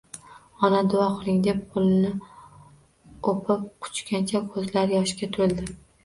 — Ona, duo qiling, — deb qo'lini o'pib quchganda ko'zlar yoshga to'ldi